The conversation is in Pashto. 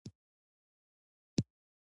کرکټ د تفریح یوه مشهوره بڼه ده.